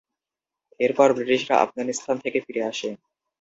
এরপর ব্রিটিশরা আফগানিস্তান থেকে ফিরে আসে।